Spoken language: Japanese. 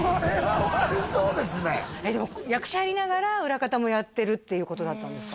役者やりながら裏方もやってるっていうことだったんですか？